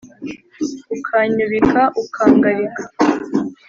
ukanyubika ukangarika